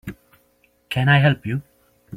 Can I help you?